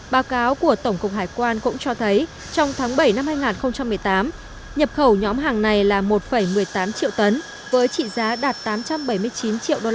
báo cáo của tổng cục hải quan cũng cho thấy trong tháng bảy năm hai nghìn một mươi tám nhập khẩu nhóm hàng này là một một mươi tám triệu tấn với trị giá đạt tám trăm bảy mươi chín triệu usd